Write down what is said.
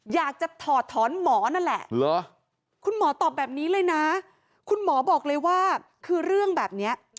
ถอดถอนหมอนั่นแหละคุณหมอตอบแบบนี้เลยนะคุณหมอบอกเลยว่าคือเรื่องแบบนี้